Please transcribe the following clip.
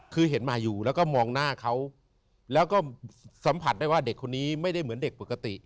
คือเห็นมาอยู่แล้วก็มองหน้าเขาแล้วก็สัมผัสได้ว่าเด็กคนนี้ไม่ได้เหมือนเด็กปกติ